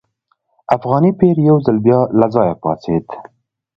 افغاني پیر یو ځل بیا له ځایه پاڅېد.